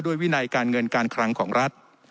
วินัยการเงินการคลังของรัฐ